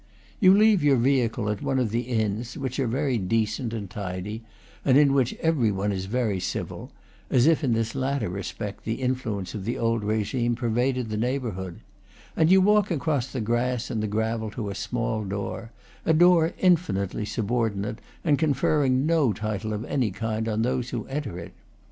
You leave your vehicle at one of the inns, which are very decent and tidy, and in which every one is very civil, as if in this latter respect the influence of the old regime pervaded the neighborhood, and you walk across the grass and the gravel to a small door, a door infinitely subordinate and conferring no title of any kind on those who enter it.